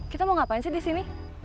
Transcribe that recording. kita mau ngapain sih disini